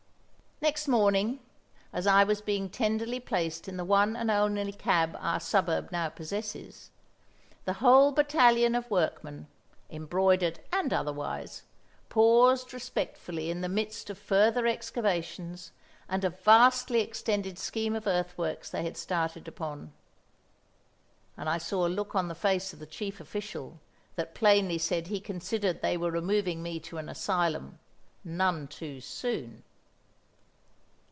Next morning, as I was being tenderly placed in the one and only cab our suburb now possesses, the whole battalion of workmen, embroidered and otherwise, paused respectfully in the midst of further excavations and a vastly extended scheme of earthworks they had started upon; and I saw a look on the face of the Chief Official that plainly said he considered they were removing me to an asylum none too soon!